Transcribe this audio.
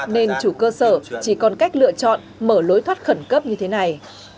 nên chủ cơ sở chỉ còn cách lựa chọn mở lối thoát khẩn cấp như thế này